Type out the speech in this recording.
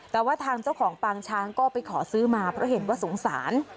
แต่ว่าทางเจ้าของปางช้างก็ไปขอซื้อมาเพราะเห็นว่าสงสาร